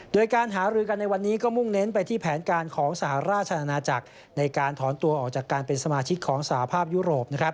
โดยการหารือกันในวันนี้ก็มุ่งเน้นไปที่แผนการของสหราชอาณาจักรในการถอนตัวออกจากการเป็นสมาชิกของสหภาพยุโรปนะครับ